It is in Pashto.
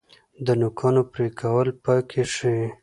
د نوکانو پرې کول پاکي ښیي.